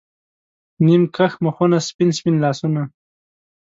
نیم کښ مخونه، سپین، سپین لاسونه